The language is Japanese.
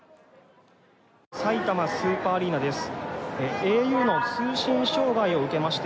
さいたまスーパーアリーナです。